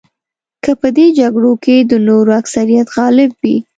که په دې جګړو کې د نورو اکثریت غالب وي.